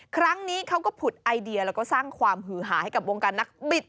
ครั้งนี้เขาก็ผุดไอเดียแล้วก็สร้างความหือหาให้กับวงการนักบิด